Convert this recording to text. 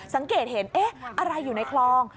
สังเกตเห็นเอ๊ะอะไรอยู่ในคลอง